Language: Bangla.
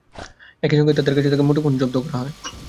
একই সঙ্গে তাঁদের কাছে থাকা মুঠোফোনও জব্দ করা হয়।